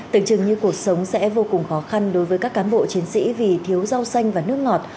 tưởng chừng như cuộc sống sẽ vô cùng khó khăn đối với các cán bộ chiến sĩ vì thiếu rau xanh và nước ngọt